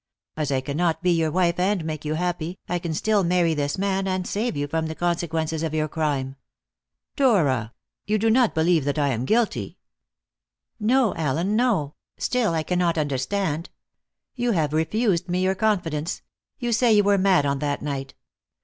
As I cannot be your wife and make you happy, I can still marry this man and save you from the consequences of your crime." "Dora! You do not believe that I am guilty?" "No, Allen, no; still, I cannot understand. You have refused me your confidence; you say you were mad on that night.